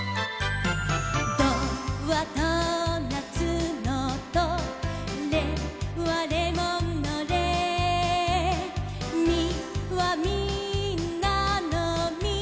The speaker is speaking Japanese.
「ドはドーナツのドレはレモンのレ」「ミはみんなのミ」